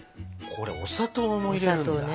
これお砂糖も入れるんだ？